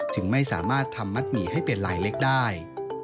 จึงไม่สามารถทำมัดหมี่ให้เป็นลายเล็กได้